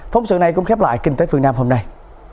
phóng sự này cũng khép lại kinh tế phương nam hôm nay